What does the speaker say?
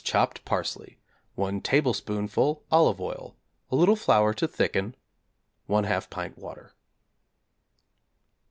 chopped parsley, 1 tablespoonful olive oil, a little flour to thicken, 1/2 pint water.